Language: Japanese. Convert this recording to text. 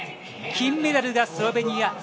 金メダルがスロベニア。